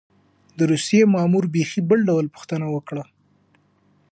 د روسيې مامور بېخي بل ډول پوښتنه وکړه.